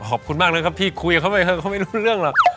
ขอบคุณมากเลยครับที่คุยกับเขาไปเขาก็ไม่รู้เรื่องหรอก